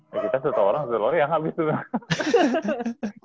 ya kita satu orang satu loyang habis tuh